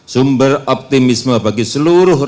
sumber optimisme bagi seluruh